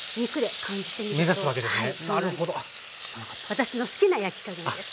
私の好きな焼き加減です。